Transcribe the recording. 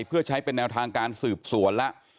เพื่อใช้เป็นแนวทางการสืบสวนแล้ว